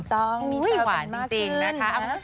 จริงมีเจอกันมากขึ้น